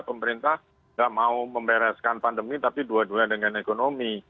pemerintah tidak mau membereskan pandemi tapi dua duanya dengan ekonomi